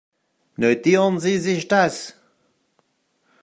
Notieren Sie sich das.